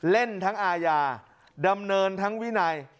เล่นทั้งอาญาดำเนินทั้งวินัย